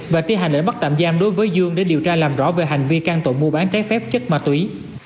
và thi hành lệnh bắt tạm giam đối với dương để điều tra làm rõ về hành vi can tội mua bán trái phép chất ma túy